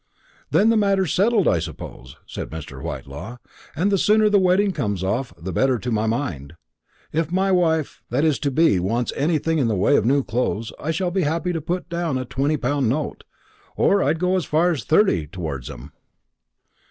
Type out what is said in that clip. "Then the matter's settled, I suppose," said Mr. Whitelaw; "and the sooner the wedding comes off the better, to my mind. If my wife that is to be wants anything in the way of new clothes, I shall be happy to put down a twenty pound note or I'd go as far as thirty towards 'em."